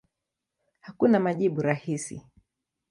Hakuna majibu rahisi.